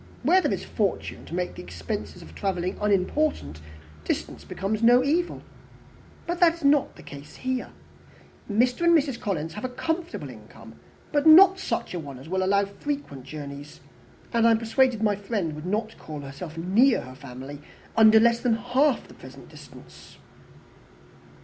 Where there is fortune to make the expense of travelling unimportant, distance becomes no evil. But that is not the case here. Mr. and Mrs. Collins have a comfortable income, but not such a one as will allow of frequent journeys and I am persuaded my friend would not call herself near her family under less than half the present distance."